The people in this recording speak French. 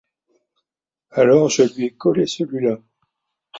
Alors je lui ai collé celuilà.